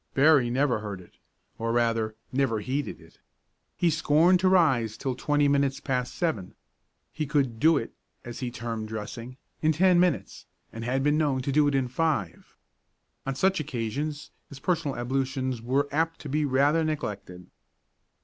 Berry never heard it, or rather never heeded it. He scorned to rise till twenty minutes past seven. He could "do it," as he termed dressing, in ten minutes, and had been known to do it in five. On such occasions his personal ablutions were apt to be rather neglected.